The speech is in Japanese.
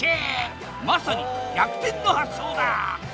まさに逆転の発想だ！